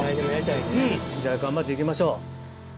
じゃあ頑張って行きましょう。